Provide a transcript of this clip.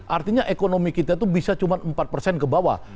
artinya ekonomi kita itu bisa cuma empat persen ke bawah